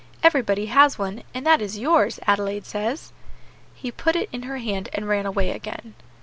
"Everybody has one, and that is yours, Adelaide says." He put it in her hand, and ran away again.